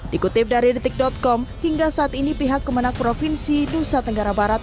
dikutip dari detik com hingga saat ini pihak kemenang provinsi nusa tenggara barat